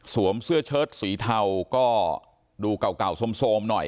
เสื้อเชิดสีเทาก็ดูเก่าโซมหน่อย